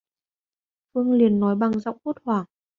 Phương liền nói bằng giọng hốt hoảng